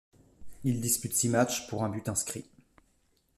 Il dispute six matchs, pour un but inscrit.